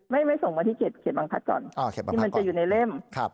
ไม่ไม่ส่งมาที่เขตเขตบังพัดก่อนอ่อเขตบังพัดก่อนที่มันจะอยู่ในเล่มครับ